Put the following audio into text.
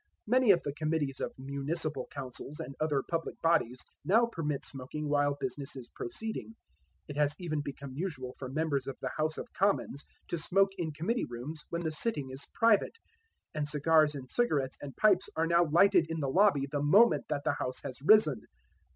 Many of the committees of municipal councils and other public bodies now permit smoking while business is proceeding. It has even become usual for members of the House of Commons to smoke in committee rooms when the sitting is private; and cigars and cigarettes and pipes are now lighted in the lobby the moment that the House has risen.